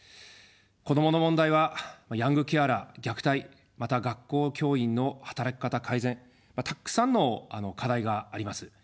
子どもの問題はヤングケアラー、虐待、また、学校教員の働き方改善、たくさんの課題があります。